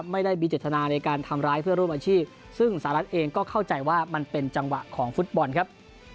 ไม่ได้มีเจตนาในการทำร้ายเพื่อร่วมอาชีพซึ่งสหรัฐเองก็เข้าใจว่ามันเป็นจังหวะของฟุตบอลครับ